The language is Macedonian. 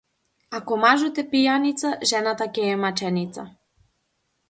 Ако мажот е пијаница, жената ќе е маченица.